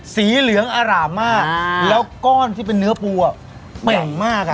สีเหลืองอร่ามมากแล้วก้อนที่เป็นเนื้อปูอ่ะงมากอ่ะ